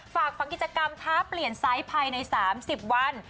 ฝากฝังกิจกรรมท้าเปลี่ยนไซส์ภายใน๓๐วัน